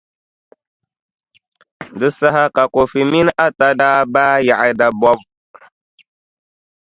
Di saha ka Kofi mini Atta daa baai yaɣi dabɔbʼ.